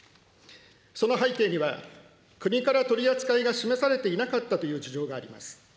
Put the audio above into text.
その背景には、国から取り扱いが示されていなかったという事情があります。